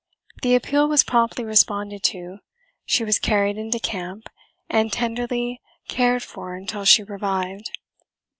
The appeal was promptly responded to; she was carried into camp and tenderly cared for until she revived.